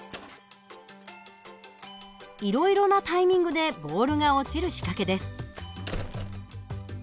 いろいろなタイミングでボールが落ちる仕掛けです。